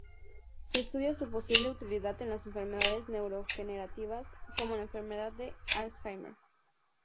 Se estudia su posible utilidad en las enfermedades neurodegenerativas, como la enfermedad de Alzheimer.